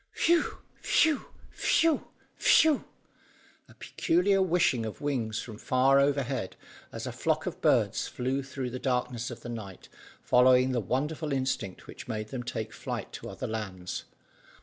Whew whew whew whew! A peculiar whishing of wings from far overhead, as a flock of birds flew on through the darkness of the night, following the wonderful instinct which made them take flight to other lands.